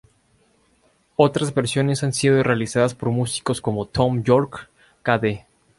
Otras versiones han sido realizadas por músicos como Thom Yorke, k.d.